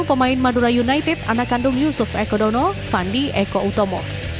pemain madura united anak kandung yusuf ekodono fandi eko utomo